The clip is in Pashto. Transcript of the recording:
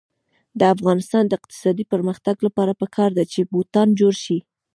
د افغانستان د اقتصادي پرمختګ لپاره پکار ده چې بوټان جوړ شي.